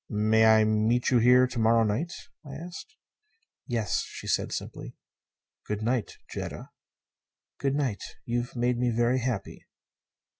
"May I meet you here to morrow night?" I asked. "Yes," she said simply. "Good night Jetta." "Good night. You you've made me very happy."